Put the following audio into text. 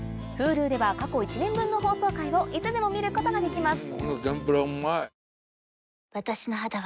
Ｈｕｌｕでは過去１年分の放送回をいつでも見ることができます